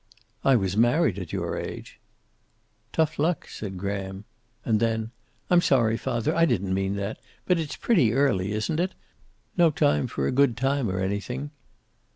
"I was married at your age." "Tough luck," said Graham. And then: "I'm sorry, father, I didn't mean that. But it's pretty early, isn't it? No time for a good time, or anything."